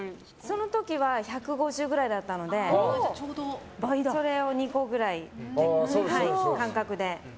その時は１５０くらいだったのでそれを２個ぐらいという感覚で。